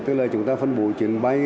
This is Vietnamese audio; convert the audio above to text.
tức là chúng ta phân bổ chuyển bay